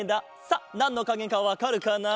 さあなんのかげかわかるかな？